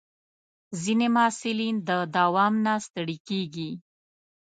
ځینې محصلین د دوام نه ستړي کېږي.